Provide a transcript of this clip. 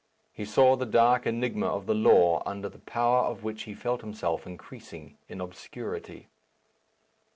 He saw the dark enigma of the law under the power of which he felt himself increasing in obscurity.